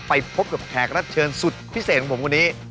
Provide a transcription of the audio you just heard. ไปพบกับแขกรับเชิญสุดพิเศษของผมคนนี้